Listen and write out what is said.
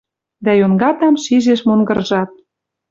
Дӓ йонгатам шижеш монгыржат.